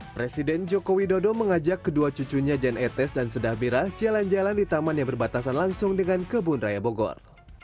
presiden joko widodo mengajak kedua cucunya jan etes dan sedah bira jalan jalan di taman yang berbatasan langsung dengan kebun raya bogor